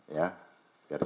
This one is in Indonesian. ya biar jelas